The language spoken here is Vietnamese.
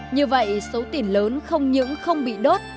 như vậy số tiền lớn không những không bị đốt